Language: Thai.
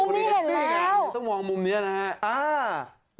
มุมนี้เห็นแล้วต้องมองมุมนี้นะครับ